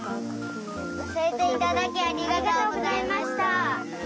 おしえていただきありがとうございました。